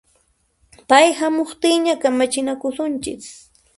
Pay hamuqtinña kamachinakusunchis